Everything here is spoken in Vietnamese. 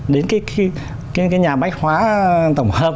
đến cái nhà bách hóa tổng hợp